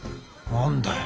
何だよ